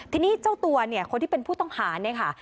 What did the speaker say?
ทีนี้เจ้าตัวคนที่เป็นผู้ต้องหา